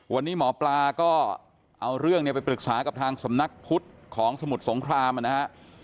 วันนี้หมอปลาก็เอาเรื่องเนี่ยไปปรึกษากับทางสำนักพุทธของสมุทรสงครามนะฮะ